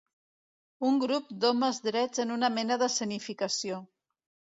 Un grup d'homes drets en una mena d'escenificació.